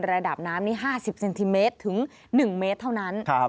ระดับน้ำนี้๕๐เซนติเมตรถึง๑เมตรเท่านั้น